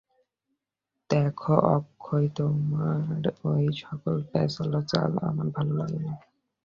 দেখো অক্ষয়, তোমার ঐ-সকল প্যাঁচালো চাল আমার ভালো লাগে না।